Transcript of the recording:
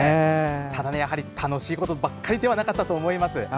ただやはり楽しいことばかりではなかったと思います。